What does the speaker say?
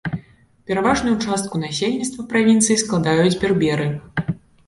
Пераважную частку насельніцтва правінцыі складаюць берберы.